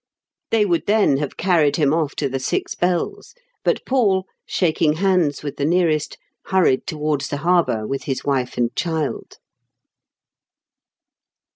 They would then have carried him off to The Six Bells, but Paul, shaking hands with the nearest, hurried towards the harbour with his wife and child.